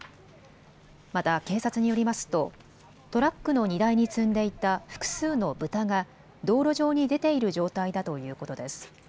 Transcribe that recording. また警察によりますとトラックの荷台に積んでいた複数の豚が道路上に出ている状態だということです。